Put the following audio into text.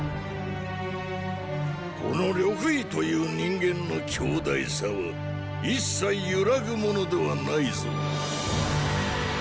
この呂不韋という人間の強大さは一切揺らぐものではないぞ。